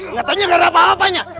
katanya gak ada apa apanya